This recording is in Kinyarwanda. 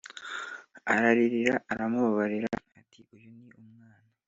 ararira Aramubabarira ati Uyu ni umwana